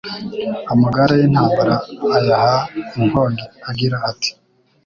amagare y’intambara ayaha inkongi agira ati